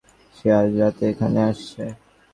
সে আজ রাতে এখানে আসছে।